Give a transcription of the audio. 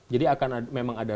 jadi akan ada rencana kemudian